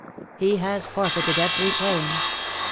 He has forfeited every claim.